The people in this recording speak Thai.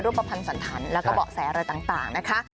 รูปภัณฑ์สันธรรมแล้วก็เบาะแสอะไรต่างนะคะ